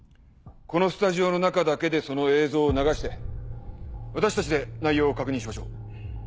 このスタジオの中だけでその映像を流して私たちで内容を確認しましょう。